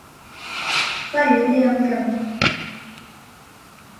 — Фамилияң кем?